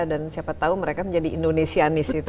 dan siapa tahu mereka menjadi indonesianis itu